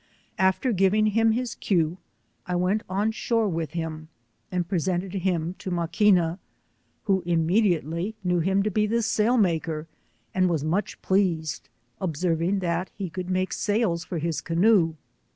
After giving him his cue, I went on shore with him, and presented him to Maquina, who immediately knew him to be the sailmaker, and was much pleased, observing that he could make sails for his canoe.